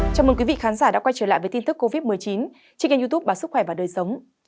chào mừng quý vị khán giả đã quay trở lại với tin tức covid một mươi chín trên kênh youtub báo sức khỏe và đời sống